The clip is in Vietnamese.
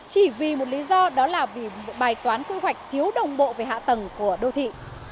chỉ vì một lý do đó là vì bài toán quy hoạch thiếu đồng bộ về hạ tầng của đô thị